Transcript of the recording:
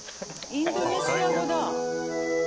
インドネシア語だ。